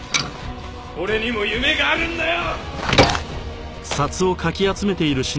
俺にも夢があるんだよ！